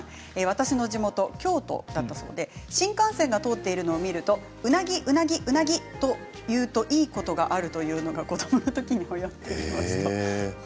地元が京都だそうで新幹線が通っているのを見るとうなぎ、うなぎ、うなぎと言うといいことがあるというのを子どものときに聞きました。